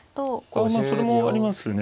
あそれもありますね。